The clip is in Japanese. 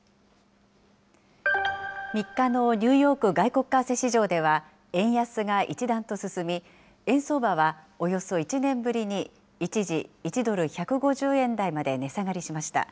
３日のニューヨーク外国為替市場では、円安が一段と進み、円相場はおよそ１年ぶりに一時１ドル１５０円台まで値下がりしました。